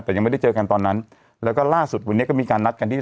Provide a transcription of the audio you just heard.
แต่ยังไม่ได้เจอกันตอนนั้นแล้วก็ล่าสุดวันนี้ก็มีการนัดกันที่